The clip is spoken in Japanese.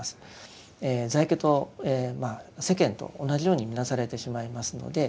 在家と世間と同じように見なされてしまいますので。